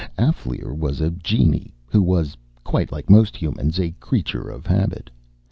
Alféar was a genii who was, quite like most humans, a creature of habit.